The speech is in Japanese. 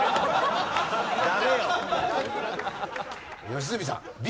良純さんＢ？